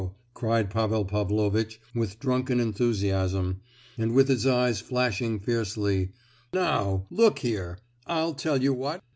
_" cried Pavel Pavlovitch, with drunken enthusiasm, and with his eyes flashing fiercely; "now—look here—I'll tell you what!